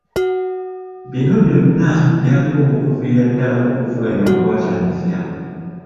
Bino byonna byaliwo okuviira ddala okuvuganya we kwatandikira.